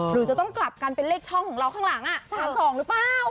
หรือจะต้องกลับกันเป็นเลขช่องของเราข้างหลัง๓๒หรือเปล่า